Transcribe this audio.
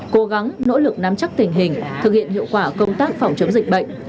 cố gắng nỗ lực nắm chắc tình hình thực hiện hiệu quả công tác phòng chống dịch bệnh